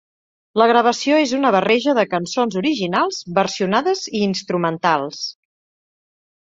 La gravació és una barreja de cançons originals, versionades i instrumentals.